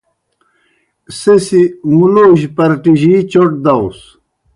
سہ سیْ مُلوجیْ پرٹِجِی چوْٹ داؤس۔